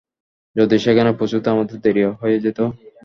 যদি সেখানে পৌঁছুতে আমাদের দেরি হয়ে যেত?